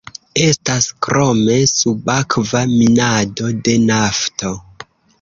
Estas krome subakva minado de nafto.